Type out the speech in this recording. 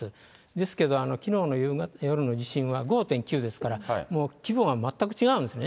ですけど、きのうの夜の地震は５．９ですから、もう規模が全く違うんですね。